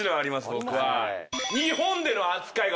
僕は。